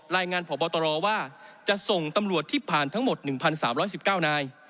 พบตรว่าจะส่งตำรวจที่ผ่านทั้งหมด๑๓๑๙นาย